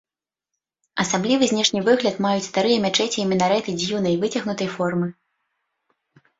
Асаблівы знешні выгляд маюць старыя мячэці і мінарэты дзіўнай выцягнутай формы.